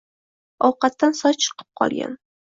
Ovqatdan soch chiqib qolgan